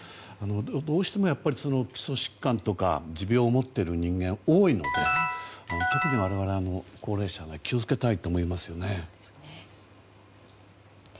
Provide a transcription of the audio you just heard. どうしても、基礎疾患とか持病を持つ人が多いので、特に我々高齢者は気を付けたいと思いますね。